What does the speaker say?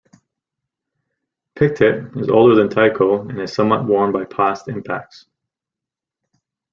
Pictet is older than Tycho and is somewhat worn by past impacts.